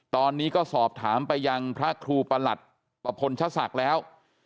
ตอนนี้ก็สอบถามไปยังพระครูประหลัดประพลชศักดิ์แล้ว